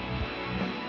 di sekolah sedang khenpan